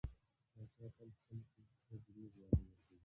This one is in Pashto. پاچا تل خلکو ته دروغ وعده ورکوي .